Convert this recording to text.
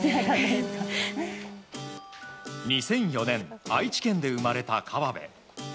２００４年愛知県で生まれた河辺。